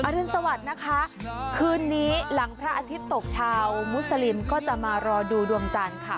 รุนสวัสดิ์นะคะคืนนี้หลังพระอาทิตย์ตกชาวมุสลิมก็จะมารอดูดวงจันทร์ค่ะ